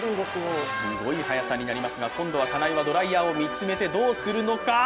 すごい速さになりますが、今度は金井はドライヤーを見つめてどうするのか。